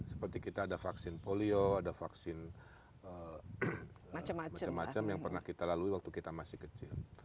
seperti kita ada vaksin polio ada vaksin macam macam yang pernah kita lalui waktu kita masih kecil